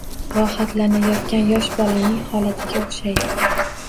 Rohatlanayotgan yosh bolaning holatiga o’xshaydi